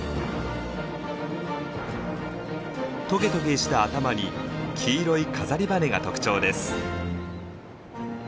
とげとげした頭に黄色い飾り羽が特徴です。